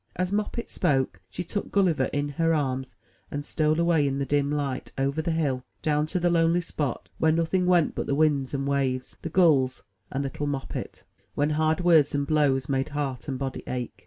'' As Moppet spoke, she took Gulliver in her arms, and stole away in the dim Ught, over the hill, down to the lonely spot where nothing went but the winds and waves, the gulls, and Uttle Moppet, when hard words and blows made heart and body ache.